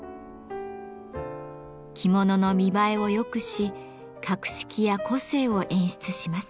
着物の見栄えを良くし格式や個性を演出します。